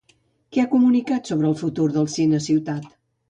Què ha comunicat sobre el futur de CineCiutat?